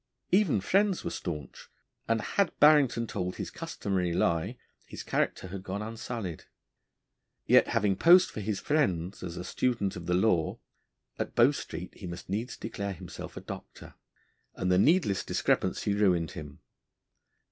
Even friends were staunch, and had Barrington told his customary lie, his character had gone unsullied. Yet having posed for his friends as a student of the law, at Bow Street he must needs declare himself a doctor, and the needless discrepancy ruined him.